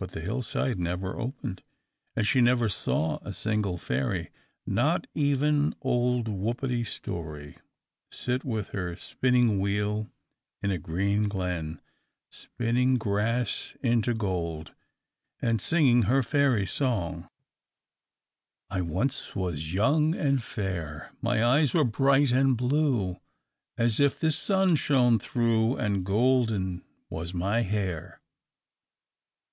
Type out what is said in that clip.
But the hill side never opened, and she never saw a single fairy; not even old Whuppity Stoorie sit with her spinning wheel in a green glen, spinning grass into gold, and singing her fairy song: "I once was young and fair, My eyes were bright and blue, As if the sun shone through, And golden was my hair.